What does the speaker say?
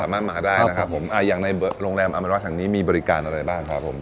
สามารถมาได้นะครับอย่างในโรงแรมอัมราชังนี้มีบริการอะไรบ้างครับ